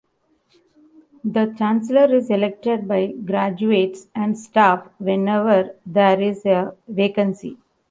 The chancellor is elected by graduates and staff whenever there is a vacancy.